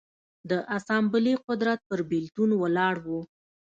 د اسامبلې قدرت پر بېلتون ولاړ و.